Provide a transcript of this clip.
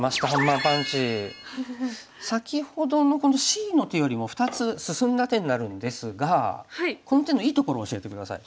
先ほどのこのＣの手よりも２つ進んだ手になるんですがこの手のいいところを教えて下さい。